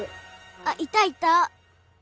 あっいたいた！